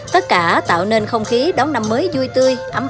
tất cả tạo nên không khí đón năm mới vui tươi ấm áp và đoàn kết